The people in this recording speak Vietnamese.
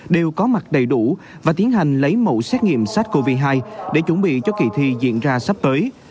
đều có mặt đầy đủ và tiến hành lấy mẫu xét nghiệm sars cov hai để chuẩn bị cho kỳ thi diễn ra sắp tới